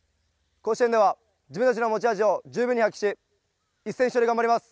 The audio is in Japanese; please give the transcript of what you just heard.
甲子園では自分たちの持ち味を十分に発揮し一戦必勝で頑張ります。